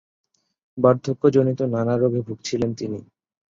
বার্ধক্যজনিত নানা রোগে ভুগছিলেন তিনি।